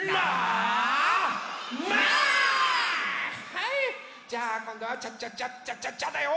はいじゃあこんどはチャッチャッチャチャッチャッチャだよ！